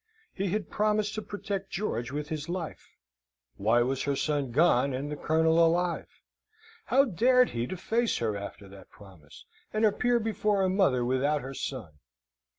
He had promised to protect George with his life. Why was her son gone and the Colonel alive? How dared he to face her after that promise, and appear before a mother without her son?